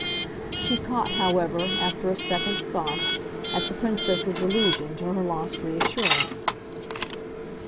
She caught, however, after a second's thought, at the Princess's allusion to her lost reassurance.